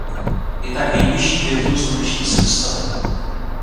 Je tak nejbližší hvězdou sluneční soustavy.